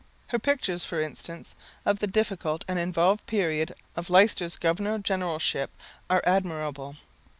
Her pictures, for instance, of the difficult and involved period of Leicester's governor generalship are admirable.